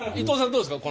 どうですか？